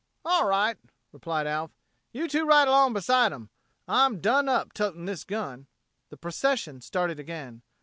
"All right," replied Alf. "You two ride along beside 'em. I'm done up totin' this gun." The procession started again.